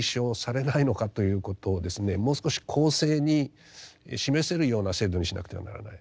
もう少し公正に示せるような制度にしなくてはならない。